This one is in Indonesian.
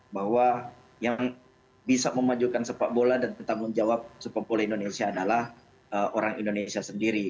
bahwa yang bisa memajukan sepak bola dan bertanggung jawab sepak bola indonesia adalah orang indonesia sendiri